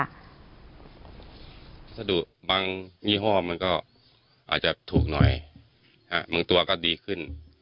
สะดุบางยี่ห้อมันก็อาจจะถูกหน่อยบางตัวก็ดีขึ้น